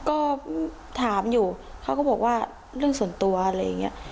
ก็ถามอยู่เขาก็บอกว่าเรื่องส่วนตัวอะไรอย่างนี้